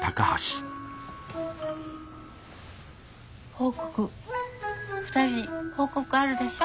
報告２人に報告あるでしょ？